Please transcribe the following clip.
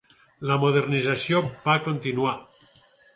La modernització va continuar.